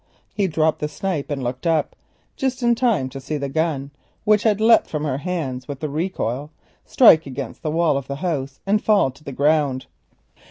He dropped the snipe and looked up, just in time to see the gun, which had leapt from her hands with the recoil, strike against the wall of the house and fall to the ground.